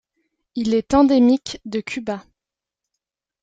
Il est endémique de Cuba.